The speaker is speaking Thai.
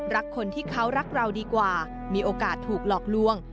คนที่เขารักเราดีกว่ามีโอกาสถูกหลอกลวง